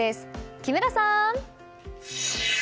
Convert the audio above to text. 木村さん。